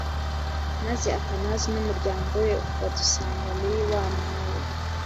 maze athanase n umuryango we badusanga muri wa mwobo